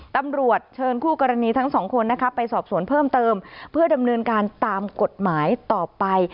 ตำรวจเชิญคู่กรณีทั้งสองคนนะคะไปสอบสวนเพิ่มเติมเพื่อดำเนินการตามกฎหมายต่อไป